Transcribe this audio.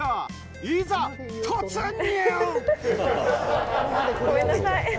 いざ突入！